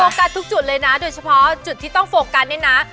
ทุกจุดเลยนะโดยเฉพาะจุดที่ต้องโฟกัสเนี่ยนะ